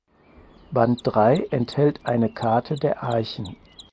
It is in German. Band Drei enthält eine Karte der Archen.